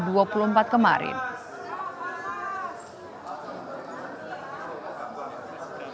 jangan lupa like share dan subscribe ya